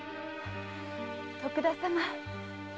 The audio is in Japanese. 徳田様。